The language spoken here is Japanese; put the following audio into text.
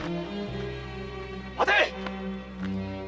待て！